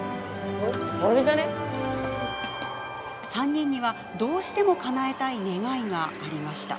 ３人には、どうしてもかなえたい願いがありました。